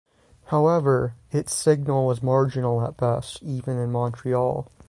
However, its signal was marginal at best even in Montreal.